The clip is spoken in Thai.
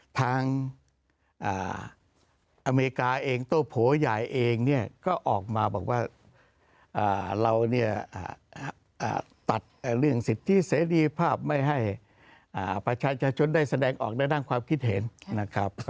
ทางอเมริกาเองโต้โผใหญ่เองเนี่ยก็ออกมาบอกว่าเราเนี่ยตัดเรื่องสิทธิเสรีภาพไม่ให้ประชาชนได้แสดงออกในด้านความคิดเห็นนะครับ